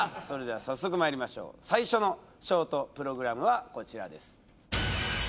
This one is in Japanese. それでは早速まいりましょう最初のショートプログラムはこちらです